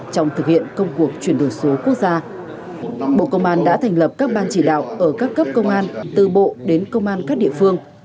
trong thực hiện công cuộc chuyển đổi số quốc gia bộ công an đã thành lập các ban chỉ đạo ở các cấp công an từ bộ đến công an các địa phương